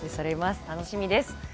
楽しみです。